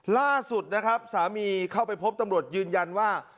ล่าสุดนะครับสามีเข้าไปพบตำรวจยืนยันว่า